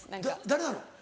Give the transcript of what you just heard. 誰なの？